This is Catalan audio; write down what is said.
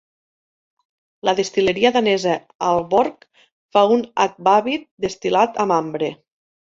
La destil·leria danesa Aalborg fa un "akvavit" destil·lat amb ambre.